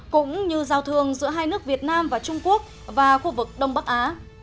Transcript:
cũng như giao thương giữa hai nước việt nam và trung quốc và khu vực đông bắc á